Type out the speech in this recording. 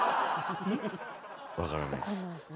分からないです。